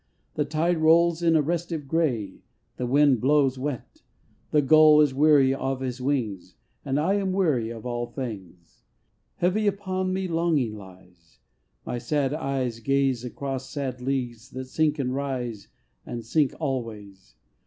The tide rolls in a restive gray, The wind blows wet. The gull is weary of his wings, And I am weary of all things. Heavy upon me longing lies, My sad eyes gaze Across sad leagues that sink and rise And sink always.